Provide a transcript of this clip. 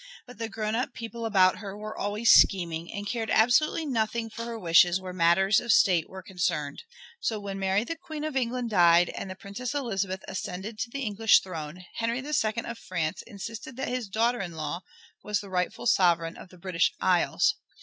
But the grown up people about her were always scheming, and cared absolutely nothing for her wishes where matters of state were concerned. So, when Mary the Queen of England died and the Princess Elizabeth ascended the English throne, Henry II of France insisted that his daughter in law was the rightful sovereign of the British Isles.